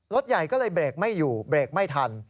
ใหญ่ก็เลยเบรกไม่อยู่เบรกไม่ทัน